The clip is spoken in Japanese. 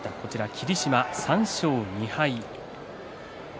霧島、３勝２敗。